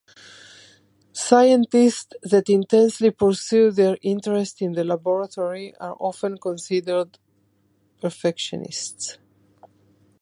Scientists that intently pursue their interests in the laboratory are often considered perfectionists.